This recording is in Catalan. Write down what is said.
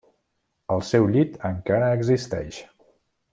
El seu llit encara existeix.